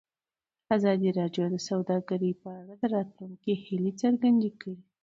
ازادي راډیو د سوداګري په اړه د راتلونکي هیلې څرګندې کړې.